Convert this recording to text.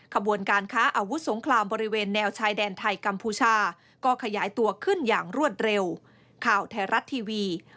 ขบวนการค้าอาวุธสงครามบริเวณแนวชายแดนไทยกัมพูชาก็ขยายตัวขึ้นอย่างรวดเร็ว